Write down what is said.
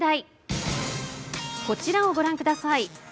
こちらをご覧下さい。